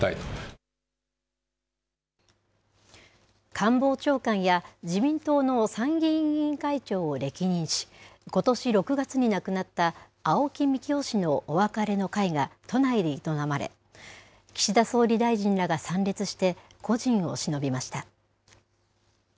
官房長官や自民党の参議院議員会長を歴任し、ことし６月に亡くなった青木幹雄氏のお別れの会が都内で営まれ、岸田総理大臣らが参列して故人をしのびました。